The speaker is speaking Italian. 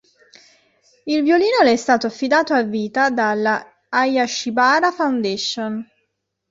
Il violino le è stato affidato a vita dalla "Hayashibara Foundation".